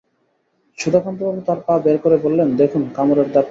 সুধাকান্তবাবু তাঁর পা বের করে বললেন, দেখুন, কামড়ের দাগ দেখুন।